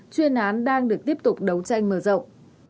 chuyên án đang được tiếp tục đấu tranh mở rộng